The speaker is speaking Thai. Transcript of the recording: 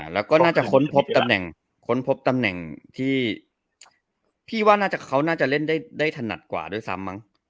แล้วก็น่าจะค้นพบตำแหน่งที่พี่ว่าน่าจะเขาน่าจะเล่นได้ถนัดกว่าด้วยซ้ำมั้ง